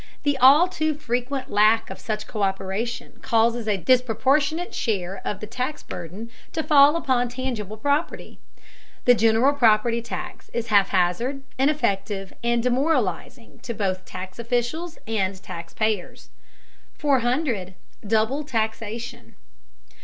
The all too frequent lack of such co÷peration causes a disproportionate share of the tax burden to fall upon tangible property. The general property tax is haphazard, ineffective, and demoralizing to both tax officials and taxpayers. 400. DOUBLE TAXATION.